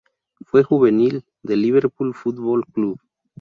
Fue juvenil del Liverpool Football Club.